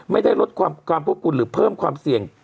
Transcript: ไม่ได้ลดความพวกคุณหรือเพิ่มความเสี่ยง